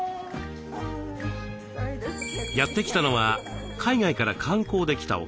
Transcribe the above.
やって来たのは海外から観光で来たお客様。